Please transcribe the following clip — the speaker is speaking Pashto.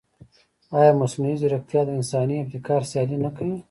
ایا مصنوعي ځیرکتیا د انساني ابتکار سیالي نه کوي؟